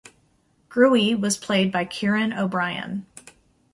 Gruey was played by Kieran O'Brien.